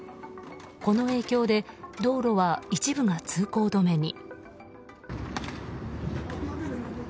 この影響で道路は一部が通行止めに。